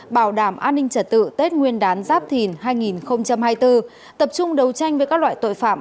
bảo đảm an ninh trật tự tết nguyên đán giáp thìn hai nghìn hai mươi bốn tập trung đấu tranh với các loại tội phạm